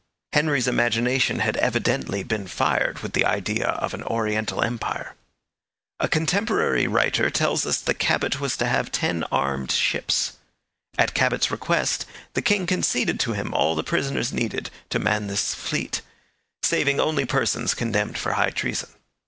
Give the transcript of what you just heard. Henry's imagination had evidently been fired with the idea of an Oriental empire. A contemporary writer tells us that Cabot was to have ten armed ships. At Cabot's request, the king conceded to him all the prisoners needed to man this fleet, saving only persons condemned for high treason.